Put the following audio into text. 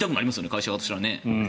会社側としては。